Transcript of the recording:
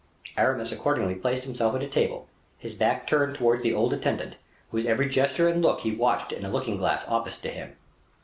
Aramis accordingly placed himself at a table, his back turned towards the old attendant, whose every gesture and look he watched in a looking glass opposite to him.